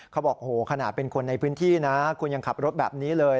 เขาบอกโหขนาดเป็นคนในพื้นที่นะคุณยังขับรถแบบนี้เลย